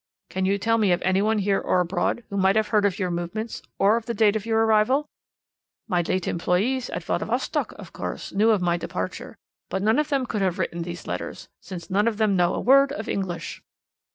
"'Can you tell me of anyone here or abroad who might have heard of your movements, and of the date of your arrival?' "'My late employés at Vladivostok, of course, knew of my departure, but none of them could have written these letters, since none of them know a word of English.'